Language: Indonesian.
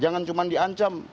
jangan cuma di ancam